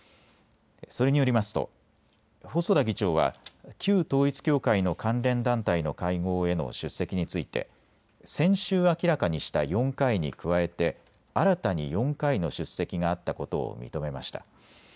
それによりますと細田議長は旧統一教会の関連団体の会合への出席について先週、明らかにした４回に加えて新たに４回の出席があったことを認めました。